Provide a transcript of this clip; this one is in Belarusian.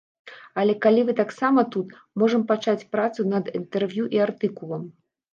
Але, калі вы таксама тут, можам пачаць працу над інтэрв'ю і артыкулам.